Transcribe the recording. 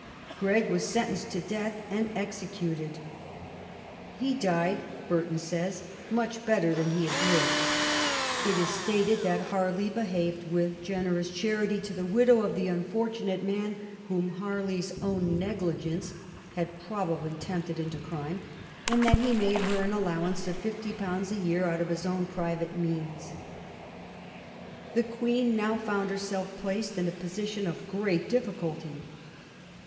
Gregg was sentenced to death, and executed. " He died," Burton says, " much better than he had lived.'' It is stated that Harley behaved with generous charity to the widow of the unfortunate man whom Harley's own negligence had probably tempted into crime, and that he made her an allowance of fifty pounds a year out of his own private means. The Queen now found herself placed in a position of great difficulty.